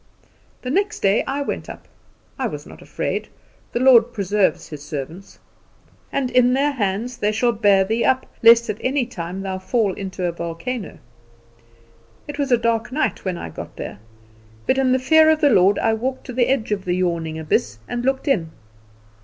The next day I went up. I was not afraid; the Lord preserves His servants. And in their hands shall they bear thee up, lest at any time thou fall into a volcano. It was dark night when I got there, but in the fear of the Lord I walked to the edge of the yawning abyss, and looked in.